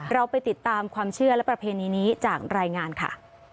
เราไปติดตามความเชื่อและประเพณีนี้จากรายงานค่ะ